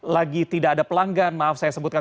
lagi tidak ada pelanggan maaf saya sebutkan